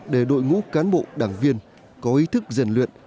để đội ngũ cán bộ đảng viên có ý thức rèn luyện